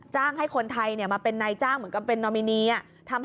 จ้างให้คนไทยเนี่ยมาเป็นนายจ้างเหมือนกับเป็นนอมินีอ่ะทำ